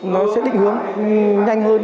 nó sẽ định hướng nhanh hơn